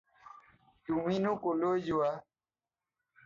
তুমিনো ক'লৈ যোৱা?